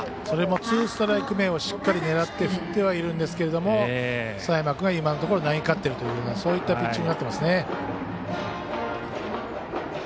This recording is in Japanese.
それもツーストライク目をしっかりと狙って振ってはいるんですけど佐山君が今のところ投げ勝っているというピッチングだと思います。